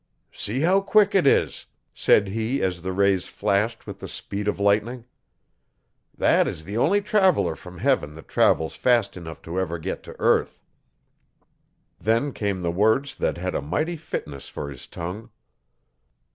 'See how quick it is!' said he as the rays flashed with the speed of lightning. 'That is the only traveller from Heaven that travels fast enough to ever get to earth. Then came the words that had a mighty fitness for his tongue.